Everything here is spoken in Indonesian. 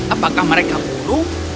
apakah mereka burung